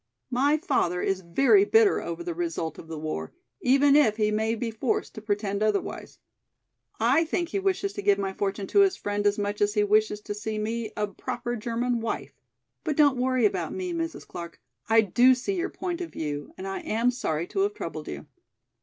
My father is very bitter over the result of the war, even if he may be forced to pretend otherwise. I think he wishes to give my fortune to his friend as much as he wishes to see me a proper German wife. But don't worry about me, Mrs. Clark, I do see your point of view and am sorry to have troubled you."